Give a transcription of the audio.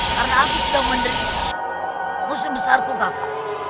karena aku sudah menderita musuh besarku kakak